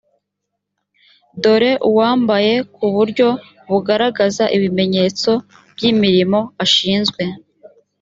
dore uwambaye ku buryo bugaragaza ibimenyetso by imirimo ashinzwe